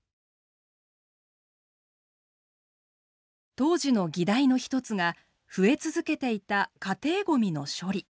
当時の議題の１つが増え続けていた家庭ごみの処理。